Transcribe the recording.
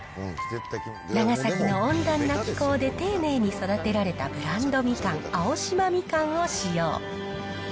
長崎の温暖な気候で丁寧に育てられたブランドみかん、青島みかんを使用。